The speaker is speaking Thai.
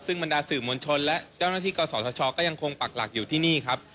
ซึ่งบรรดาสื่อมวลชนและเจ้าหน้าที่กศธชก็ยังคงปักหลักอยู่ที่นี่ครับ